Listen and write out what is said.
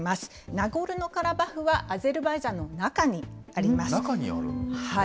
ナゴルノカラバフはアゼルバイジ中にあるんですね。